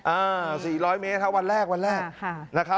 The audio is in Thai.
อ่า๔๐๐เมตรวันแรกวันแรก